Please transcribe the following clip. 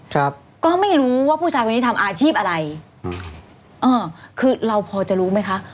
ครับก็ไม่รู้ว่าผู้ชายคนนี้ทำอาชีพอะไรอืมอ่าคือเราพอจะรู้ไหมคะ